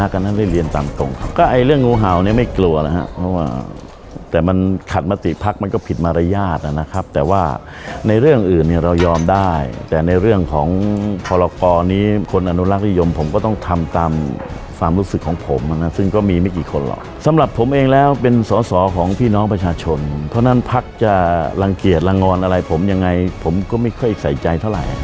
ก็ไอ้เรื่องงูหาวนี่ไม่กลัวนะครับเพราะว่าแต่มันขัดมติพักมันก็ผิดมารยาทนะครับแต่ว่าในเรื่องอื่นเรายอมได้แต่ในเรื่องของพลกรณีคนอนุรักษ์ริยมผมก็ต้องทำตามความรู้สึกของผมซึ่งก็มีไม่กี่คนหรอกสำหรับผมเองแล้วเป็นสอสอของพี่น้องประชาชนเพราะฉะนั้นพักจะรังเกียจรังงอนอะไรผมยังไงผมก็ไม่ค่อยใส